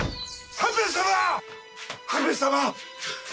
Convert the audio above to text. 半兵衛様。